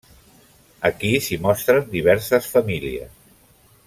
Aquí s'hi mostren diverses famílies.